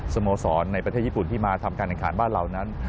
สโมสรในประเทศญี่ปุ่นที่มาทำการแข่งขันบ้านเรานั้น